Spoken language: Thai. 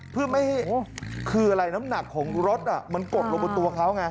เพื่อไม่ให้คืออะไรน้ำหนักของรถมันกดลงบนตัวเขาไง